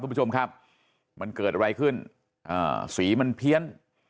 คุณผู้ชมครับมันเกิดอะไรขึ้นอ่าสีมันเพี้ยน